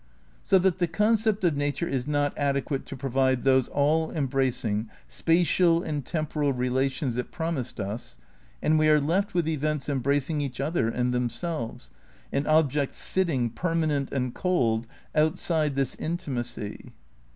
So that the concept of nature is not adequate to pro vide those all embracing spatial and temporal relations it promised us, and we are left with events embracing each other and themselves, and objects sitting, perma nent and cold, outside this intimacy.